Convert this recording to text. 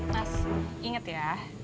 mas inget ya